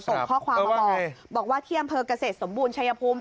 ส่งข้อความมาบอกบอกว่าที่อำเภอกเกษตรสมบูรณชายภูมิ